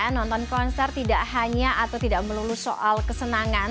nonton konser tidak hanya atau tidak melulu soal kesenangan